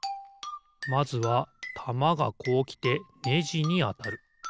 まずはたまがこうきてネジにあたる。